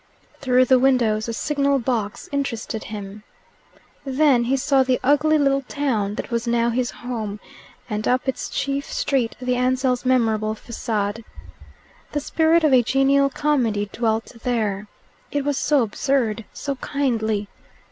Through the windows a signal box interested him. Then he saw the ugly little town that was now his home, and up its chief street the Ansells' memorable facade. The spirit of a genial comedy dwelt there. It was so absurd, so kindly.